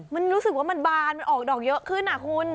มันรู้สึกว่ามันบานมันออกดอกเยอะขึ้นอ่ะคุณ